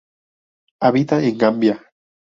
Habita en Gambia.